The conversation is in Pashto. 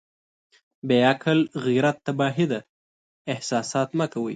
بې عقل غيرت تباهي ده احساسات مه کوئ.